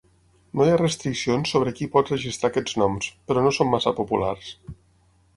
No hi ha restriccions sobre qui pot registrar aquests noms, però no són massa populars.